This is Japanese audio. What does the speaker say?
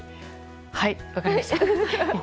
はい、分かりました。